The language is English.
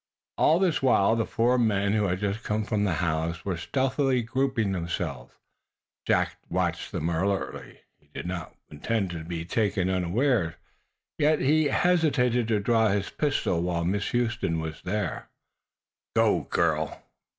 All this while the four men who had just come from the house were stealthily grouping themselves. Jack watched them alertly. He did not intend to be taken unawares, yet he hesitated to draw his pistol while Miss Huston was there. "Go, girl!"